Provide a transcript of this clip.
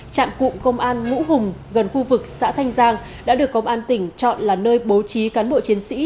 trạm cụm công an ngũ hùng gần khu vực xã thanh giang đã được công an tỉnh chọn là nơi bố trí cán bộ chiến sĩ